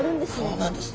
そうなんです。